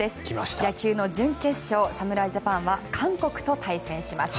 野球の準決勝、侍ジャパンは韓国と対戦します。